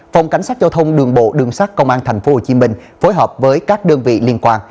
phòng cảnh sát giao thông đường bộ đường sát công an tp hcm phối hợp với các đơn vị liên quan